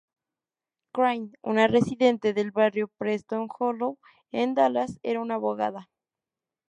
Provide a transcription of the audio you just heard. Crain, una residente del barrio Preston Hollow en Dallas, era una abogada.